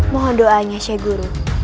mohon doanya sheikh guru